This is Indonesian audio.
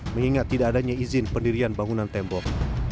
mengingat tidak adanya izin pendirian bangunan tembok